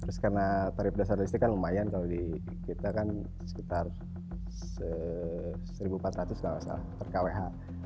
terus karena tarif dasar listrik kan lumayan kalau di kita kan sekitar satu empat ratus kalau nggak salah per kwh